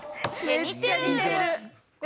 めっちゃ似てます。